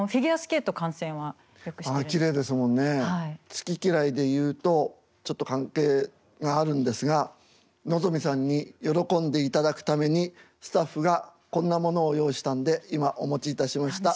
好き嫌いで言うとちょっと関係があるんですが望海さんに喜んでいただくためにスタッフがこんなものを用意したんで今お持ちいたしました。